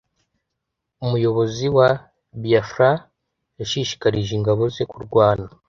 Umuyobozi wa Biafra yashishikarije ingabo ze kurwana